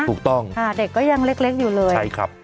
ถูกต้องค่ะเด็กก็ยังเล็กอยู่เลยใช่ครับ